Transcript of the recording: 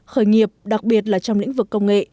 khởi nghiệp đặc biệt là trong lĩnh vực công nghệ